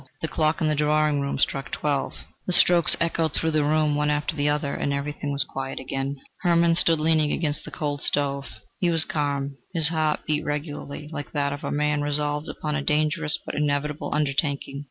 The clock in the drawing room struck twelve; the strokes echoed through the room one after the other, and everything was quiet again. Hermann stood leaning against the cold stove. He was calm; his heart beat regularly, like that of a man resolved upon a dangerous but inevitable undertaking.